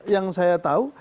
yang saya tahu